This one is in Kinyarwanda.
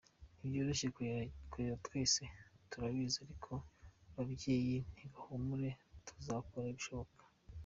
Ntibyoroshye kurera twese turabizi ariko ababyeyi nibahumure tuzakora ibishoboka”.